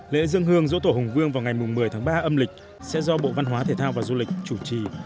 lễ dân hương dỗ tổ hùng vương vào ngày một mươi tháng ba âm lịch sẽ do bộ văn hóa thể thao và du lịch chủ trì